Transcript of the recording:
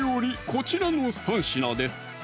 こちらの３品です